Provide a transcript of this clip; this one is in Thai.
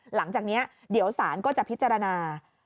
หลังจากนี้เดี๋ยวสารก็จะพิจารณา